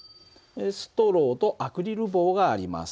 ストローとアクリル棒があります。